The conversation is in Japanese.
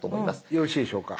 よろしいでしょうか。